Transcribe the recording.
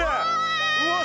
うわ！